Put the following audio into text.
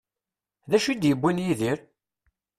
D acu i d-yewwin Yidir?